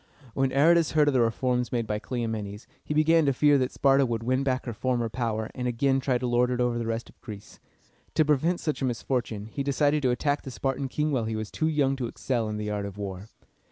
When Aratus heard of the reforms made by Cleomenes, he began to fear that Sparta would win back her former power, and again try to lord it over the rest of Greece. To prevent such a misfortune, he decided to attack the Spartan king while he was too young to excel in the art of war.